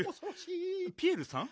ピエールさん。